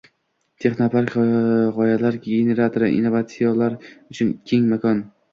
Texnopark — “g‘oyalar generatori”, innovatsiyalar uchun keng makonng